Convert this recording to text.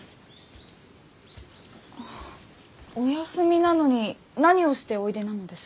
お休みなのに何をしておいでなのです？